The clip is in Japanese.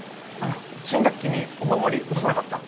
新学期にお守り落とさなかった？